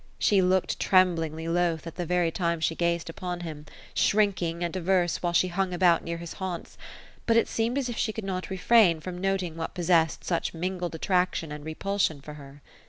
She looked trem blingly loath, at the very time she gaied upon him ; shrinking and averse, while she hung about near his haunts ; but it seemed as if she could not refrain from noting what possessed such mingled attraction and repulsion for her.